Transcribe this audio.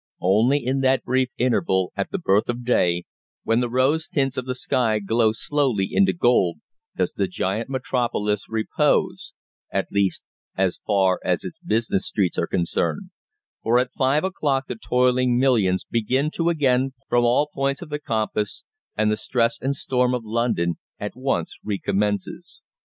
Only in that brief interval at the birth of day, when the rose tints of the sky glow slowly into gold, does the giant metropolis repose at least, as far as its business streets are concerned for at five o'clock the toiling millions begin to again pour in from all points of the compass, and the stress and storm of London at once recommences.